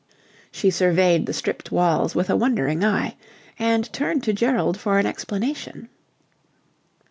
She surveyed the stripped walls with a wondering eye, and turned to Gerald for an explanation.